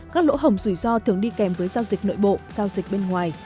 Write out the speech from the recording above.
các lỗ hồng rủi ro thường đi kèm với giao dịch nội bộ giao dịch bên ngoài